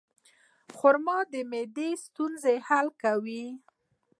خرما د معدې د ستونزو حل کوي.